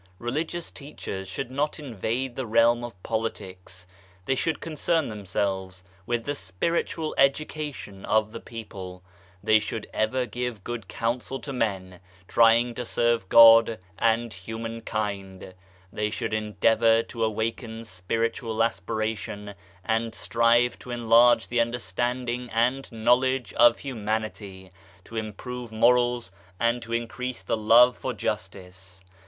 Religious Teachers should not invade the realm of poli tics ; they should concern themselves with the Spiritual education of the people ; they should ever give good counsel to men, trying to serve God and human kind ; they should endeavour to awaken Spiritual aspiration, and strive to enlarge the understanding and knowledge of humanity, to improve morals, and to increase the love for justice.